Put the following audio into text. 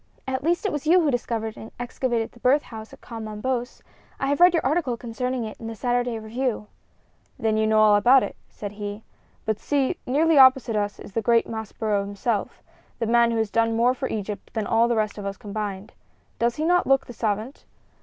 "At least it was you who discovered and excavated the birth house at Kom Ombos. I have read your article concerning it in the Saturday Review." "Then you know all about it," said he. "But see; nearly opposite us is the great Maspero himself the man who has done more for Egypt than all the rest of us combined. Does he not look the savant?